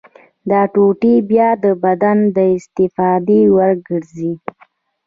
دا ټوټې بیا د بدن د استفادې وړ ګرځي.